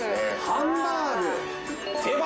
ハンバーグ。